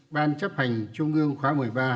ban chấp hành trung ương khóa một mươi ba